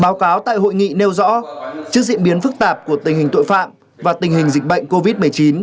báo cáo tại hội nghị nêu rõ trước diễn biến phức tạp của tình hình tội phạm và tình hình dịch bệnh covid một mươi chín